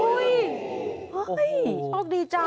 โอ้ยออกดีจ้ะ